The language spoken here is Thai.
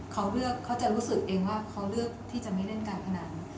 เขาเลือกเขาจะรู้สึกเองว่าเขาเลือกที่จะไม่เล่นการพนัน